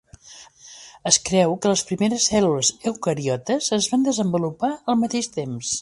Es creu que les primeres cèl·lules eucariotes es van desenvolupar al mateix temps.